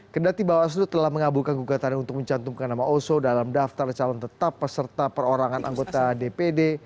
kedati bawaslu telah mengabulkan gugatan untuk mencantumkan nama oso dalam daftar calon tetap peserta perorangan anggota dpd